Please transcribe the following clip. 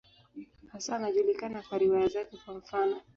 Hasa anajulikana kwa riwaya zake, kwa mfano.